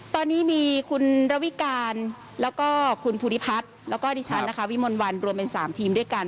ตอนนี้มีคุณระวิการแล้วก็คุณภูริพัฒน์แล้วก็ดิฉันนะคะวิมลวันรวมเป็น๓ทีมด้วยกัน